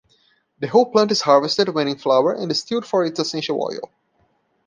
The whole plant is harvested when in flower and distilled for its essential oil.